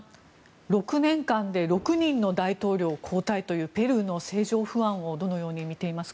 ６年間で６人の大統領交代というペルーの政情不安をどのように見ていますか？